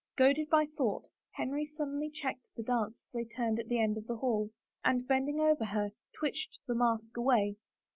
Goaded by the thought, Henry suddenly checked the dance, as they turned at the end of the hall, and bending over her, twitched the mask away.